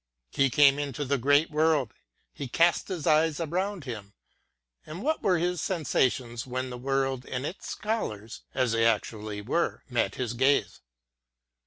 He came into the great world; he cast his eyes around him, and what were his sensations when the world and its Scholars, as they actually ivere, met his gaze